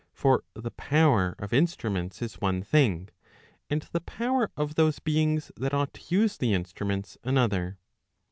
For the power of instru¬ ments is one thing, and the power of those beings that ought to use the instruments another.